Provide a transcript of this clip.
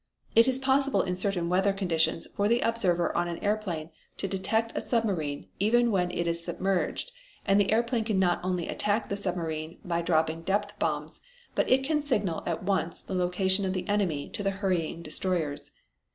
It is possible in certain weather conditions for the observer on an airplane to detect a submarine even when it is submerged and the airplane can not only attack the submarine by dropping depth bombs, but it can signal at once the location of the enemy to the hurrying destroyers.